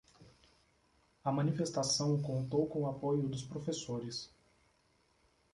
A manifestação contou com apoio dos professores